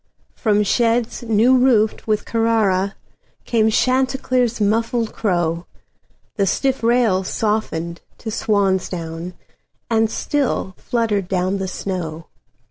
From sheds new roofed with CarraraCame Chanticleer's muffled crow, The stiff rails softened to swan's down, And still fluttered down the snow.